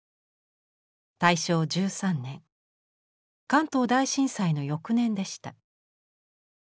大正１３年関東大震災の翌年でした。